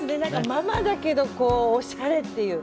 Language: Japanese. ママだけど、おしゃれっていう。